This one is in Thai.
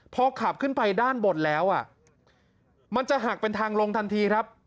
พอขับขึ้นไปด้านบนแล้วมันจะหักเป็นทางลงทันทีครับ